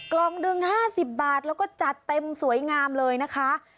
กล่องหนึ่ง๕๐บาทแล้วก็จัดเต็มสวยงามเลยนะคะ